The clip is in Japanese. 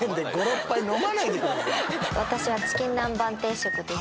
私はチキン南蛮定食です。